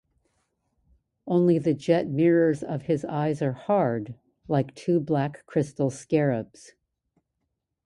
Only the jet mirrors of his eyes are hard like two black crystal scarabs.